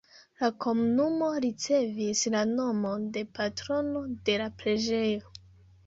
La komunumo ricevis la nomon de patrono de la preĝejo.